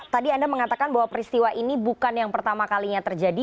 tadi anda mengatakan bahwa peristiwa ini bukan yang pertama kalinya terjadi